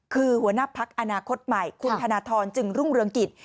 คือหัวหน้าพักอนาคตใหม่คุณธนทรจึงรุ่งเรืองกิจ